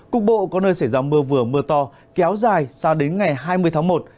cục bộ có nơi sẽ giảm mưa vừa mưa to kéo dài sang đến ngày hai mươi tháng một